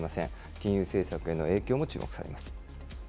金融政策への影響も注目されます。